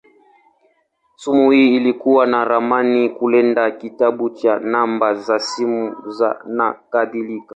Simu hii ilikuwa na ramani, kalenda, kitabu cha namba za simu, saa, nakadhalika.